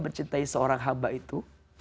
mencintai seorang hamba itu